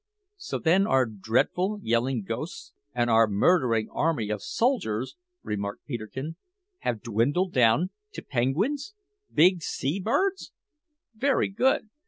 "So, then, our dreadful yelling ghosts and our murdering army of soldiers," remarked Peterkin, "have dwindled down to penguins big sea birds! Very good.